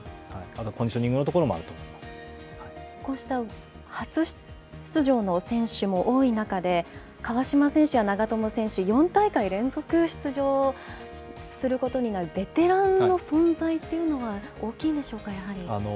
あとコンディショニングのところ初出場の選手も多い中で、川島選手や長友選手、４大会連続出場することになるベテランの存在というのは、大きいんでしょうか、やはり。